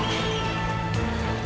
aku tidak percaya kepada rai